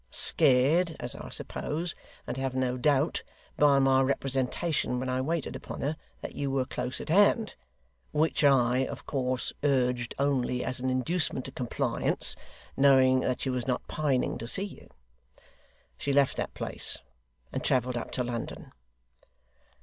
Scared, as I suppose, and have no doubt, by my representation when I waited upon her, that you were close at hand (which I, of course, urged only as an inducement to compliance, knowing that she was not pining to see you), she left that place, and travelled up to London.